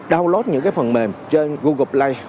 download những phần mềm trên google play